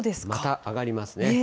また上がりますね。